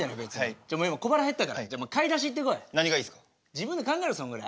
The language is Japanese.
自分で考えろそんぐらい。